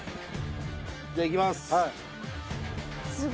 じゃいきます